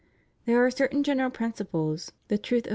There are certain general principles the truth of which 1 Cone.